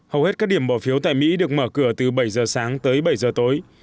hầu hết các điểm bỏ phiếu tại mỹ được mở cửa từ bảy giờ sáng tới bảy giờ tối